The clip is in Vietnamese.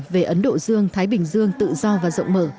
về ấn độ dương thái bình dương tự do và rộng mở